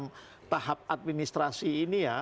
dalam tahap administrasi ini ya